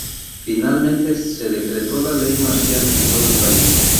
Finalmente se decretó la ley marcial en todo el país.